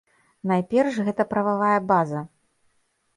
Найперш, гэта прававая база.